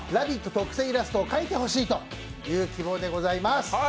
特製イラストを描いてほしいという希望でございます。